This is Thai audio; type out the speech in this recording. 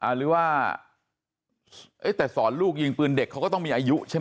หรือว่าแต่สอนลูกยิงปืนเด็กเขาก็ต้องมีอายุใช่ไหม